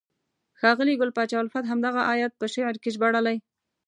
ښاغلي ګل پاچا الفت همدغه آیت په شعر کې ژباړلی: